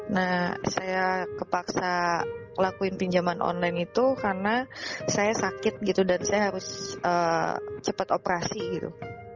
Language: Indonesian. nah saya kepaksa lakuin pinjaman online itu karena saya sakit gitu dan saya harus cepat operasi gitu